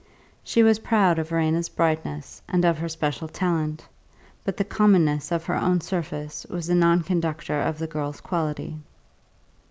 She was proud of Verena's brightness, and of her special talent; but the commonness of her own surface was a non conductor of the girl's quality.